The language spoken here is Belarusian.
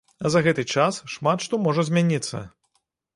А за гэты час шмат што можа змяніцца.